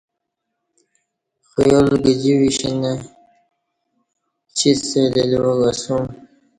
خیال گجی وشینہ پچیڅ سہ لیلیواک اسوم